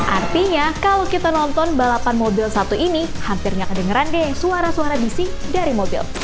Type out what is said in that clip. artinya kalau kita nonton balapan mobil satu ini hampirnya kedengeran deh suara suara bising dari mobil